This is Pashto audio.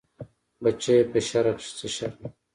بچيه په شرع کې څه شرم.